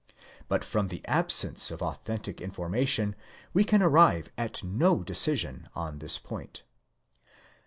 But from the absence of authentic information we can. arrive at no decision on this point.